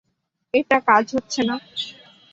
এটা কাজ হচ্ছে না!